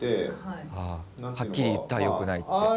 はっきり言った「良くない」って。